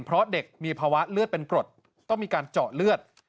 เพราะเด็กมีภาวะเลือดเป็นกรดต้องมีการเจาะเลือด